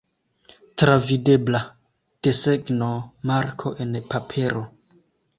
Travidebla desegno, marko, en papero.